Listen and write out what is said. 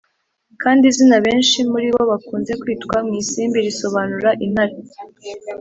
kandi izina benshi muri bo bakunze kwitwa ni isimbi risobanura intare.